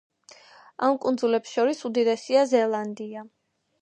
ამ კუნძულებს შორის უდიდესია ზელანდია.